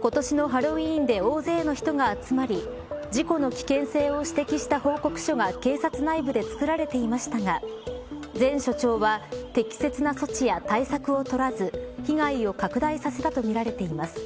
今年のハロウィーンで大勢の人が集まり事故の危険性を指摘した報告書が警察内部で作られていましたが前署長は適切な措置や対策を取らず被害を拡大させたとみられています。